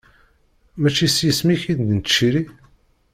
Mačči s yisem-ik i d-nettciri?